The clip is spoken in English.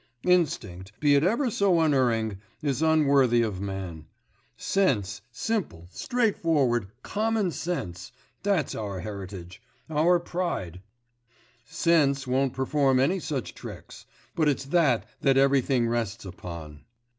Instinct, be it ever so unerring, is unworthy of man; sense, simple, straightforward, common sense that's our heritage, our pride; sense won't perform any such tricks, but it's that that everything rests upon.